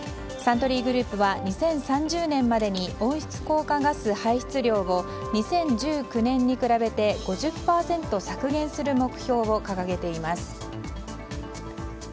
サントリーグループは２０３０年までに温室効果ガス排出量を２０１９年に比べて５０％削減する目標を掲げています。